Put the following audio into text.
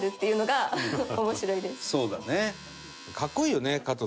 そうだね。